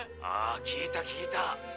ああ聞いた聞いた。